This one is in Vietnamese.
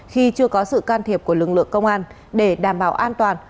khi chưa có sự can thiệp của lực lượng công an để đảm bảo an toàn